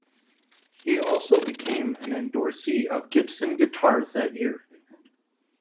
He also became an endorsee of Gibson Guitars that year.